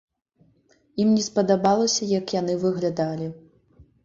Ім не спадабалася, як яны выглядалі.